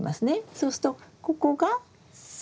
そうするとここが３段目。